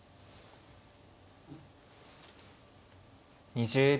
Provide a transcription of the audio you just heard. ２０秒。